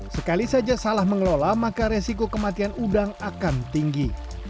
sekali saja salah mengelola maka resiko kematian udang akan tinggi